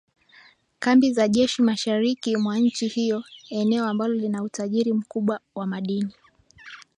kambi za jeshi mashariki mwa nchi hiyo eneo ambalo lina utajiri mkubwa wa madini